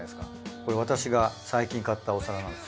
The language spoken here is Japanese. これ私が最近買ったお皿なんです。